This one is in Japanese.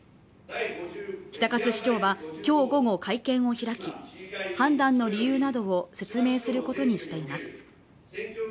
比田勝市長は今日午後会見を開き判断の理由などを説明することにしています